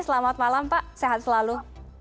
selamat malam pak sehat selalu